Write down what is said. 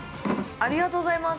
◆ありがとうございます。